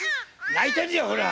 泣いてるよホラ！